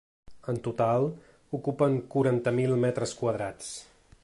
En total, ocupen quaranta mil metres quadrats.